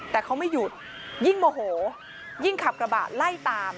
แต่เขาไม่หยุดยิ่งโมโหยิ่งขับกระบะไล่ตาม